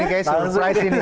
ini kayak surprise ini